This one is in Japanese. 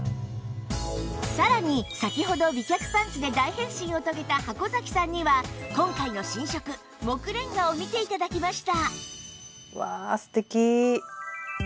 さらに先ほど美脚パンツで大変身を遂げた箱崎さんには今回の新色杢レンガを見て頂きました